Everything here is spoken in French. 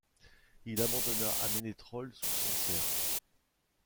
Il abandonna à Ménétréol-sous-Sancerre.